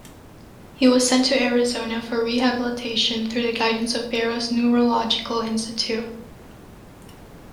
He was sent to Arizona for rehabilitation through the guidance of Barrows Neurological Institute.